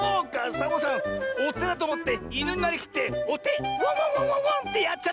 サボさん「おて」だとおもっていぬになりきって「おてワンワンワンワンワン」ってやっちゃったよ。